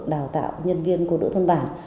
đào tạo nhân viên cô đỡ thôn bản